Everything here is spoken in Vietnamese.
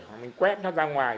hoặc mình quét nó ra ngoài